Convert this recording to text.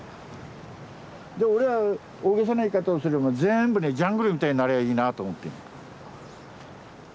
俺は大げさな言い方をすれば全部ねジャングルみたいになりゃあいいなと思ってんだ。